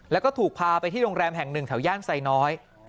แล้วก็ถูกพาไปที่โรงแรมแห่งหนึ่งแถวย่านไซน้อย